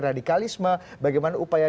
radikalisme bagaimana upaya